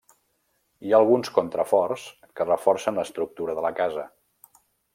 Hi ha alguns contraforts que reforcen l'estructura de la casa.